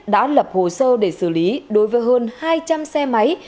đã lập hồ sơ để xử lý đối với hơn hai trăm linh xe máy